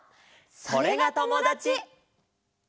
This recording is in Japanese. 「それがともだち」！